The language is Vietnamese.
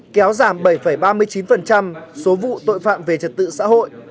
kéo giảm bảy ba mươi chín số vụ tội phạm về trật tự xã hội